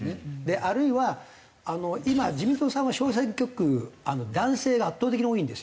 あるいは今自民党さんは小選挙区男性が圧倒的に多いんですよ。